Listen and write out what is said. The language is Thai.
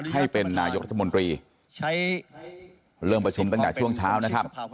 ให้เป็นนายกรัฐมนตรีใช้เริ่มประชุมตั้งแต่ช่วงเช้านะครับ